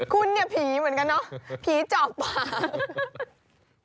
คุณเนี่ยผีเหมือนกันเนอะผีจอบ